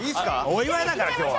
お祝いだから今日は。